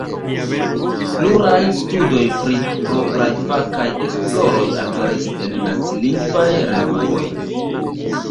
Pluraj studoj pri propraj fakaj esploroj aperis en nacilingvaj revuoj.